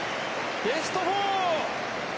ベスト４。